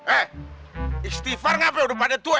eh istighfar ngapain udah pada tua